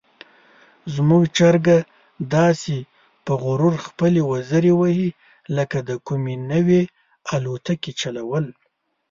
زموږ چرګه داسې په غرور خپلې وزرې وهي لکه د کومې نوې الوتکې چلول.